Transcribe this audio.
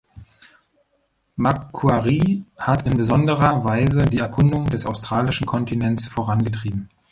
Macquarie hat in besonderer Weise die Erkundung des australischen Kontinents vorangetrieben.